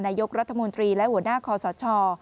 นายกรัฐมนตรีและหัวหน้าคอสช